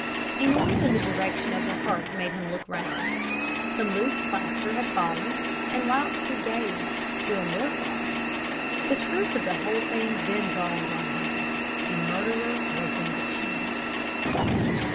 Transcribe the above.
"A noise in the direction of the hearth made him look round. Some loose plaster had fallen, and whilst he still gazed, more fell. The truth of the whole thing then dawned on him. The murderer was in the chimney.